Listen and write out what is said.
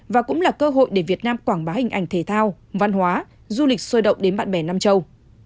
và cũng là cơ hội để việt nam quảng bá hình ảnh thể thao văn hóa du lịch sôi động đến bạn bè nam châu